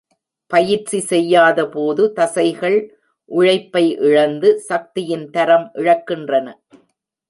பயிற்சி செய்யாத போது, தசைகள் உழைப்பை இழந்து, சக்தியின் தரம் இழக்கின்றன.